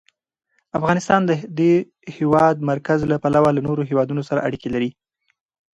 افغانستان د د هېواد مرکز له پلوه له نورو هېوادونو سره اړیکې لري.